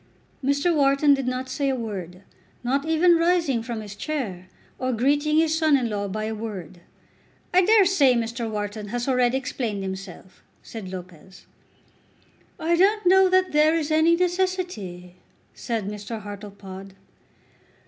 Mr. Wharton did not say a word, not even rising from his chair, or greeting his son in law by a word. "I dare say Mr. Wharton has already explained himself," said Lopez. "I don't know that there is any necessity," said Mr. Hartlepod.